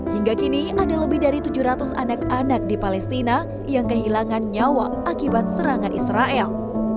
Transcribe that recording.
hingga kini ada lebih dari tujuh ratus anak anak di palestina yang kehilangan nyawa akibat serangan israel